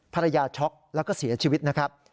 ช็อกแล้วก็เสียชีวิตนะครับ